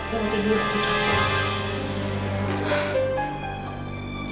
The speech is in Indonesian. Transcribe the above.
mau tidur aku capek